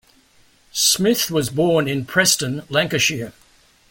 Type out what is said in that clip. Smith was born in Preston, Lancashire.